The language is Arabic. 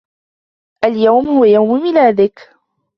اليوم هو يوم ميلادك